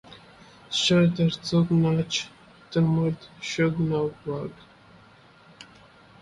Ist der Zug nach Dortmund schon weg?